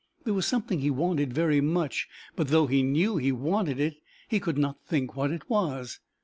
There was something he wanted very much, but, though he knew he wanted it, he could not think what it was.